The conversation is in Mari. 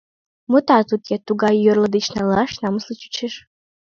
Мутат уке, тугай йорло деч налаш намысле чучеш.